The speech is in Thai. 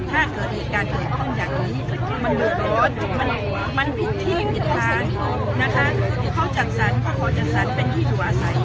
ถ้าเกิดอีกการถูกต้องอย่างนี้มันโดดลดมันผิดที่ผิดทางนะคะเพราะที่เขาจัดสรรเขาเขาจัดสรรเป็นที่หว่าใส